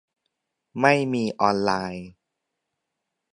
ไม่มีออนไลน์